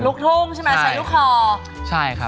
ลูกทุ่งใช่ไหมใช้ลูกคอใช่ครับ